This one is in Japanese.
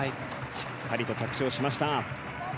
しっかりと着地をしました。